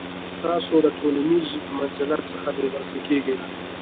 تاسو د ټولنیز منزلت څخه بې برخې کیږئ.